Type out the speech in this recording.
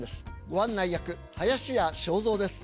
ご案内役林家正蔵です。